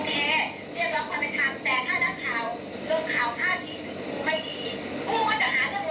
แต่ผมว่าจะบอกคุณว่ามันต้องหาคุณแทุนต้องหาคนที่ไม่เกี่ยวกับตัวคุณนะครับ